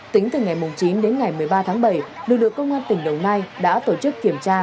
tính từ ngày chín đến ngày một mươi ba tháng bảy lực lượng công an tỉnh đồng nai đã tổ chức kiểm tra